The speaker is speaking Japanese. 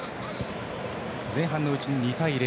前半のうちに２対０。